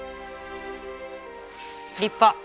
立派。